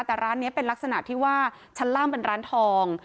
แต่ร้านนี้เป็นลักษณะที่ว่าชั้นล่างเป็นร้านทอง